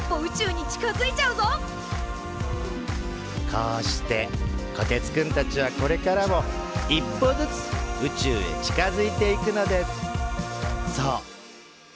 こうしてこてつくんたちはこれからも一歩ずつ宇宙へ近づいていくのです。